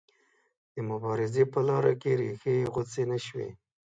د مبارزې په لاره کې ریښې یې غوڅې نه شوې.